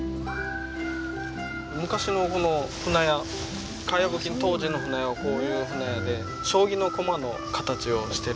昔のこの舟屋かやぶき当時の舟屋はこういう舟屋で将棋の駒の形をしてる。